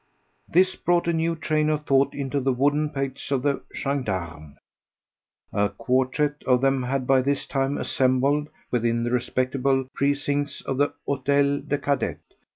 This brought a new train of thought into the wooden pates of the gendarmes. A quartet of them had by this time assembled within the respectable precincts of the Hôtel des Cadets.